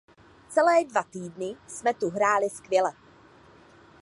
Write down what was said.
Celé dva týdny jsme tu hráli skvěle.